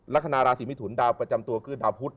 ลักษณะราศีมิถุนดาวประจำตัวขึ้นดาวพุทธ